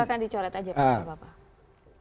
silahkan dicoret aja pak bapak